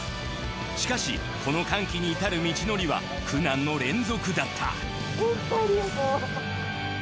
しかしこの歓喜に至る道のりは苦難の連続だったホントありがとう！